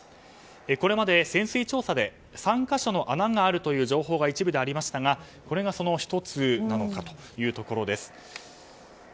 これまで潜水調査で３か所の穴があるという情報が一部でありましたがこれがその１つかというところ。